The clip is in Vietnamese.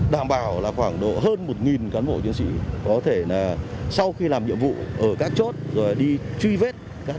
đảm bảo là khoảng độ hơn một cán bộ chiến sĩ có thể là sau khi làm nhiệm vụ ở các chốt